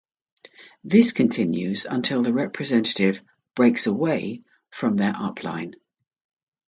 This continues until the representative "breaks away" from their upline.